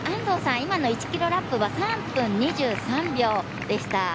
今の１キロラップは３分２３秒でした。